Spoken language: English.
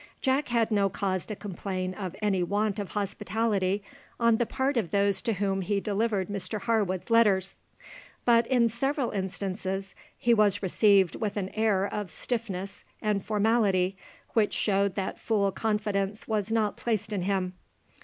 Jack had no cause to complain of any want of hospitality on the part of those to whom he delivered Mr Harwood's letters, but in several instances he was received with an air of stiffness and formality which showed that full confidence was not placed in him.